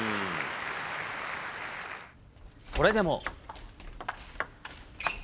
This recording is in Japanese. それでも。